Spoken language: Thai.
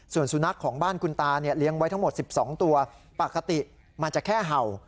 ส่วนสุนัขของบ้านคุณตาเนี่ยเลี้ยงไว้ทั้งหมด๑๒ตัวปกติมันจะแค่เห่า